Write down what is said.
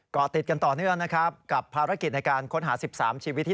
เกาะติดกันต่อเนื่องนะครับกับภารกิจในการค้นหา๑๓ชีวิตที่